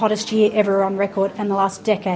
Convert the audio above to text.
adalah tahun terang terang